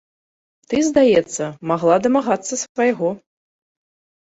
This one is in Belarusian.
Ты, здаецца, магла дамагацца свайго.